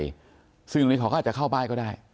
ซึ่งตรงนี้เขาก็อาจจะเข้าป้ายก็ได้